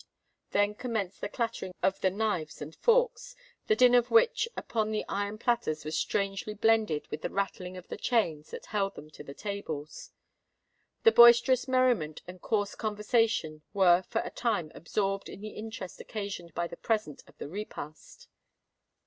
Then commenced the clattering of the knives and forks, the din of which upon the iron platters was strangely blended with the rattling of the chains that held them to the tables. The boisterous merriment and coarse conversation were for a time absorbed in the interest occasioned by the presence of the repast.